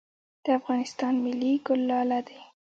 د افغانستان ملي ګل لاله دی